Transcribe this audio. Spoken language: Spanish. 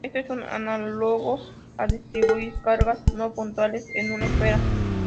Esto es análogo a distribuir cargas no puntuales en una esfera.